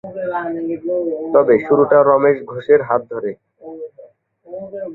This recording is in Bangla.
তবে শুরুটা রমেশ ঘোষের হাত ধরে।